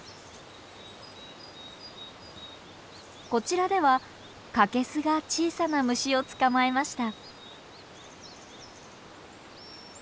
こちらではカケスが小さな虫を捕まえました。